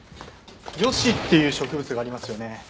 ヨシっていう植物がありますよね。